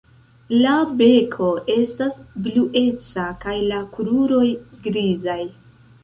La beko estas blueca kaj la kruroj grizaj.